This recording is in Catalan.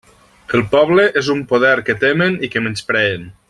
El poble és un poder que temen i que menyspreen.